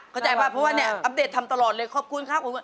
เข้าใจป่ะเพราะว่าเนี่ยอัปเดตทำตลอดเลยขอบคุณครับ